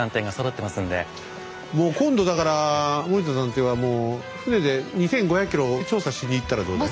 もう今度だから森田探偵は船で２，５００ｋｍ調査しに行ったらどうだい？